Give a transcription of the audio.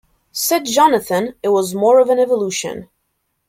Said Jonathan, It was more of an evolution.